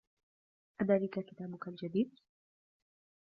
أذلك كتابك الجديد؟